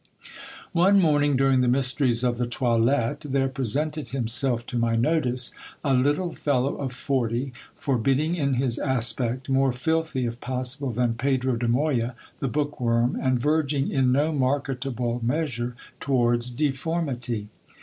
One morning, during the mysteries of the toilette, there presented himself to my notice a little fellow of forty, forbidding in his aspect, more filthy if possible than Pedro de Moya the bookworm, and verging in no marketable measure towards deformity.